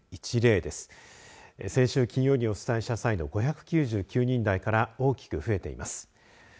先週金曜にお伝えした際の５９９人台から大きく増えています。